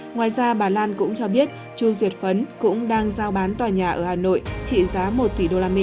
ngoài ra bà lan cũng cho biết chu duyệt phấn cũng đang giao bán tòa nhà ở hà nội trị giá một tỷ usd